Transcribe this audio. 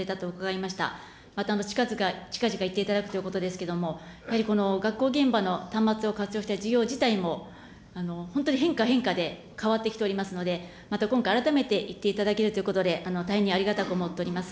またちかぢか行っていただくということですけれども、やはりこの学校現場の端末を活用した授業自体も、本当に変化変化で変わってきておりますので、また今回、改めて行っていただけるということで、大変にありがたく思っております。